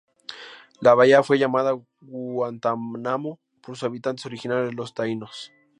La bahía fue llamada "Guantánamo" por sus habitantes originales, los taínos.